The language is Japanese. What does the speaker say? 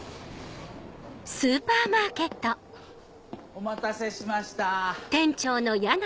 ⁉お待たせしました。